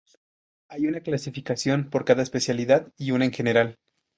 Hay una clasificación por cada especialidad y una en general.